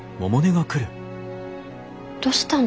どしたの？